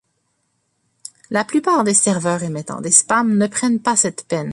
La plupart des serveurs émettant des spams ne prennent pas cette peine.